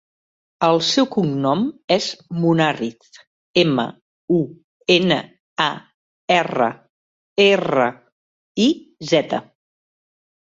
El seu cognom és Munarriz: ema, u, ena, a, erra, erra, i, zeta.